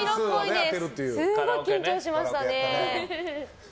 すごい緊張しましたね。